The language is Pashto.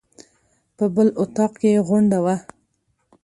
په بل اطاق کې یې غونډه وه.